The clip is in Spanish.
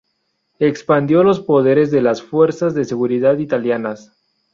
Expandió los poderes de las fuerzas de seguridad italianas.